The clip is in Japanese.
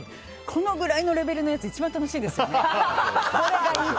このくらいのレベルのやつ一番楽しいですよね。